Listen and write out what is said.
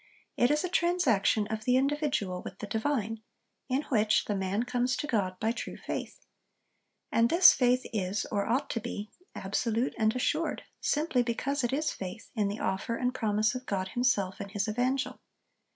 It is a transaction of the individual with the Divine, in which the man comes to God by 'true faith.' And this faith is, or ought to be, absolute and assured, simply because it is faith in the offer and promise of God himself in his Evangel.